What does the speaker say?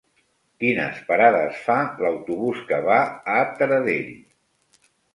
Quines parades fa l'autobús que va a Taradell?